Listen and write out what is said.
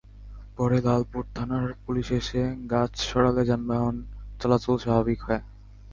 পরে লালপুর থানার পুলিশ এসে গাছ সরালে যানবাহন চলাচল স্বাভাবিক হয়।